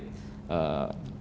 dan seluruh stakeholder terkait